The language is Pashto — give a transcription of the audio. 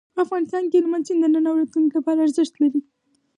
افغانستان کې هلمند سیند د نن او راتلونکي لپاره ارزښت لري.